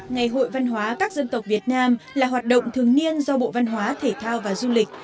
ngày hội văn hóa các dân tộc việt nam là hoạt động thường niên do bộ văn hóa thể thao và du lịch